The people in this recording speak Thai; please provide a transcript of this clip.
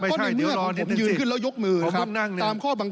ไม่ใช่เดี๋ยวรอนิดนึงท่านสิผมต้องนั่ง